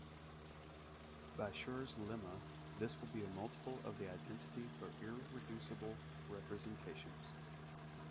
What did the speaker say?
By Schur's lemma, this will be a multiple of the identity for irreducible representations.